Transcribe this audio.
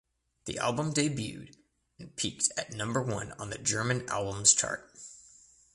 The album debuted and peaked at number one on the German Albums Chart.